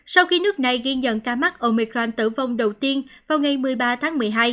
sau khi nước này ghi nhận ca mắc omicran tử vong đầu tiên vào ngày một mươi ba tháng một mươi hai